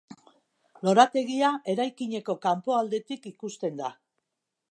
Lorategia eraikineko kanpoaldetik ikusten da.